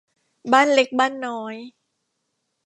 บ้านเล็กบ้านน้อย